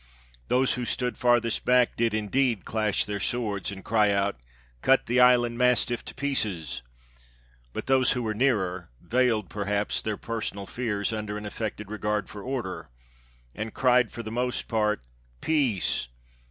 Those who stood farthest back did, indeed, clash their swords, and cry out, "Cut the island mastiff to pieces!" but those who were nearer, veiled, perhaps, their personal fears under an affected regard for order, and cried, for the most part, "Peace!